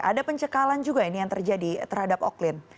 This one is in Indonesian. ada pencekalan juga ini yang terjadi terhadap oklin